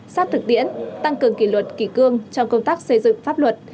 sát thực tiễn tăng cường kỷ luật kỷ cương trong công tác xây dựng pháp luật